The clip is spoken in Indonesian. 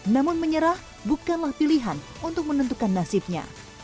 namun menyerah bukanlah pilihan untuk menentukan nasibnya